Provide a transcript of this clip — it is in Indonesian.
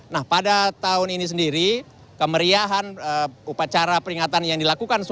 nah pada tahun ini sendiri kemeriahan upacara peringatan yang dilakukan